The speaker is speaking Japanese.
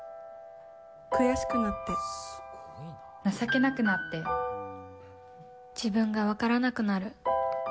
悔しくなって、情けなくなって、自分がわからなくなる。